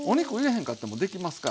へんかってもできますから。